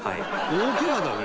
大ケガだね。